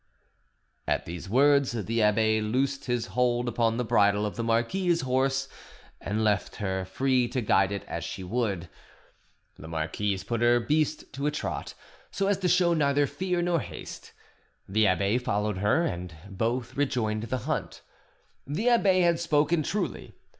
At these words the abbe loosed his hold upon the bridle of the marquise's horse and left her free to guide it as she would. The marquise put her beast to a trot, so as to show neither fear nor haste. The abbe followed her, and both rejoined the hunt. The abbe had spoken truly.